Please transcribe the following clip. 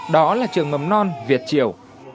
đó là trường mầm non việt triều